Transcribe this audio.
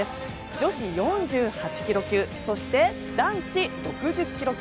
女子４８ｋｇ級そして男子６０ｋｇ級。